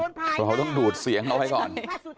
เพราะเขาต้องดูดเสียงเขาไปก่อน